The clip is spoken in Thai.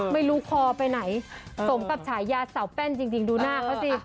ไม่รู้คอไปไหนเออส่งแบบฉายาเสาแป้นจริงดูหน้าเค้าสิ